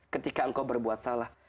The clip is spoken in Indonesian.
ketika engkau berbuat salah